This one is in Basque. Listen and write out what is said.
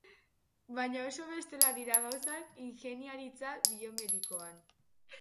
Baina oso bestela dira gauzak ingeniaritza biomedikoan.